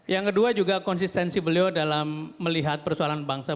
yang kedua juga konsistensi beliau dalam melihat persoalan bangsa